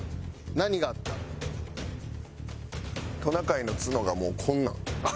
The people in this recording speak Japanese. トナカイの角がもうこんなん。